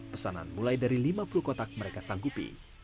pesanan mulai dari lima puluh kotak mereka sanggupi